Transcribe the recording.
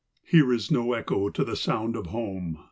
Here is no echo to the sound of home.